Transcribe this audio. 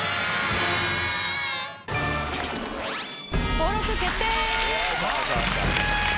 登録決定！